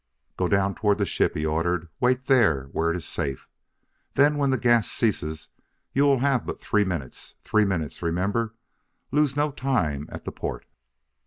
"Go down toward the ship," he ordered. "Wait where it is safe. Then when the gas ceases you will have but three minutes. Three minutes! remember! Lose no time at the port!"